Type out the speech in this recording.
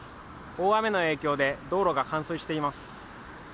大雨の影響で道路が冠水しています。